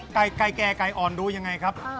ไก่แก่ไก่อ่อนดูยังไงครับ